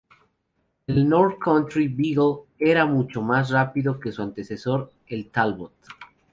El North Country beagle era mucho más rápido que su antecesor el talbot.